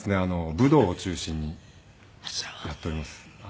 武道を中心にやっております。